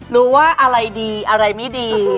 รู้ว่าอะไรดีอะไรไม่ดี